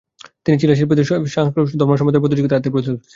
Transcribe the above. তিনি চীনা শিল্পীদের সা-স্ক্যা ধর্মসম্প্রদায়ের পদ্ধতিতে তাদের প্রশিক্ষণ দেন।